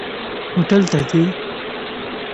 هوټل ته ځئ؟